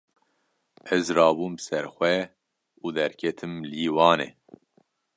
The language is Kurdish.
Ez rabûm ser xwe û derketim lîwanê.